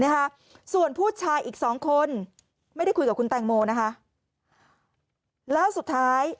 นะคะส่วนผู้ชายอีกสองคนไม่ได้คุยกับคุณแตงโมนะคะแล้วสุดท้าย